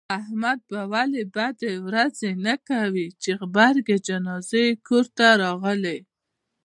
احمد به ولې بده ورځ نه کوي، چې غبرگې جنازې یې کورته راغلې.